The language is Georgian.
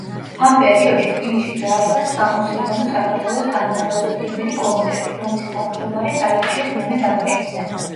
ამ პერიოდში თბილისში დაარსდა სამუსლიმანო საქართველოს განმათავისუფლებელი კომიტეტი, რომლის თავმჯდომარეს აირჩიეს მემედ აბაშიძე.